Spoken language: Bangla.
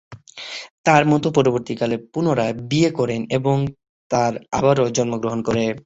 তার মাতা পরবর্তীকালে পুনরায় বিয়ে করেন এবং তার আরও সন্তান জন্মগ্রহণ করে।